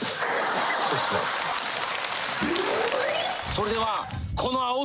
それでは。